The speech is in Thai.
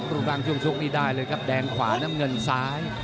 รูปร่างช่วงชกนี่ได้เลยครับแดงขวาน้ำเงินซ้าย